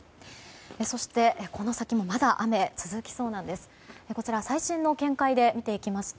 そして、この先もまだ雨が続きそうなんです。